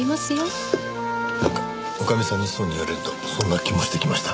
なんか女将さんにそういうふうに言われるとそんな気もしてきました。